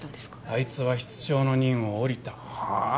あいつは室長の任を降りたはあ？